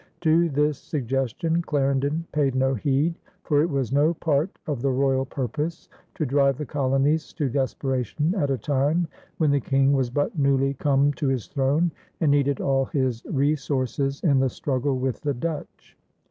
To this suggestion Clarendon paid no heed, for it was no part of the royal purpose to drive the colonies to desperation at a time when the King was but newly come to his throne and needed all his resources in the struggle with the Dutch.